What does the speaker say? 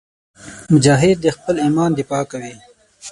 مجاهد د خپل ایمان دفاع کوي.